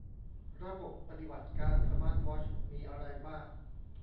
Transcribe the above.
ระบบปฏิบัติการสมาร์ทวอชมีอะไรบ้าง